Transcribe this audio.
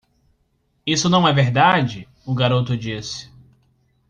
"Isso não é verdade,?" o garoto disse.